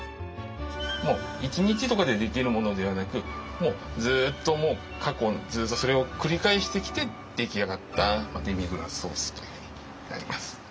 もう１日とかでできるものではなくずっともう過去ずっとそれを繰り返してきて出来上がったデミグラスソースになります。